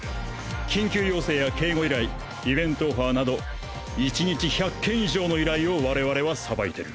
緊急要請や警護依頼イベントオファーなど１日１００件以上の依頼を我々は捌いてる！